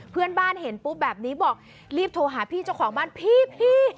เพื่อนบ้านเห็นปุ๊บแบบนี้บอกรีบโทรหาพี่เจ้าของบ้านพี่